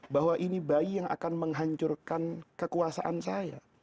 bahwa ini bayi yang akan menghancurkan kekuasaan saya